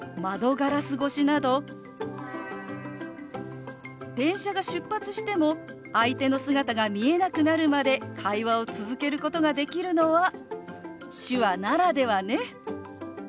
ガラス越しなど電車が出発しても相手の姿が見えなくなるまで会話を続けることができるのは手話ならではね。